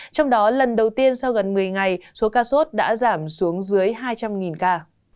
trong đó lần đầu tiên sau gần một mươi ngày số ca sốt đã giảm xuống dưới hai trăm linh ca